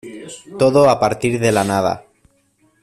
todo a partir de la nada.